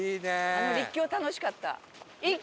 あの陸橋楽しかった。